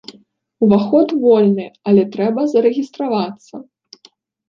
Уваход вольны, але трэба зарэгістравацца.